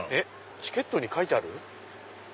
チケットに書いてある？